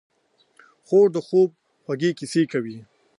خور د خوب خوږې کیسې کوي.